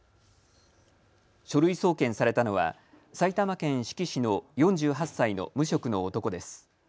書類送検されたのは埼玉県志木市の４８歳の無職の男です。